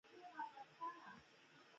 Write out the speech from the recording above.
نړۍ د زړه له خاوندانو سره مرسته کوي.